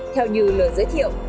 theo như lời giới thiệu